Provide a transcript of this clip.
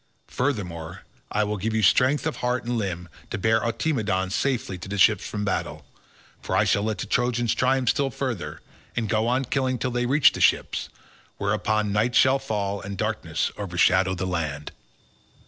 Furthermore I will give you strength of heart and limb to bear Automedon safely to the ships from battle, for I shall let the Trojans triumph still further, and go on killing till they reach the ships; whereon night shall fall and darkness overshadow the land."